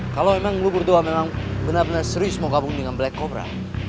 kalau emang lu berdua memang benar benar serius mau gabung dengan black cobra